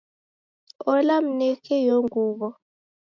Ola, mneke iyo nguwo.